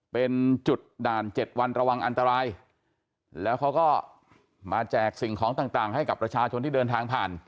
เป็นจุดด่าน๗วันระวังอันตรายแล้วเขาก็มาแจกสิ่งของต่างให้กับประชาชนที่เดินทางผ่าน